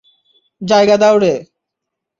জায়গা দাও রে।